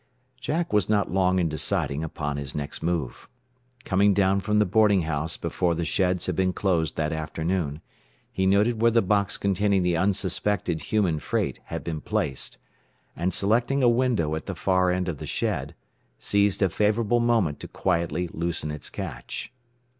Jack was not long in deciding upon his next move. Coming down from the boarding house before the sheds had been closed that afternoon, he noted where the box containing the unsuspected human freight had been placed, and selecting a window at the far end of the shed, seized a favorable moment to quietly loosen its catch.